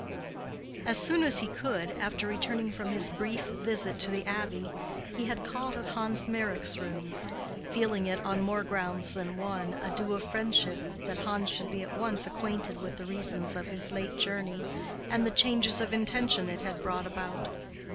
As soon as he could, after returning from his brief visit to the Abbey, he had called at Hans Meyrick's rooms, feeling it, on more grounds than one, a due of friendship that Hans should be at once acquainted with the reasons of his late journey, and the changes of intention it had brought about.